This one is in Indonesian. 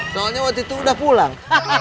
soalnya waktu itu udah pulang